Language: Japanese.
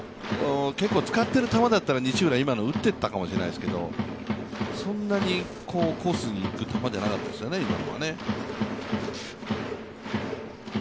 結構使っている球だったら西浦、今のは打っていったかもしれないですけどそんなにコースにいく球じゃなかったですよね、今のはね。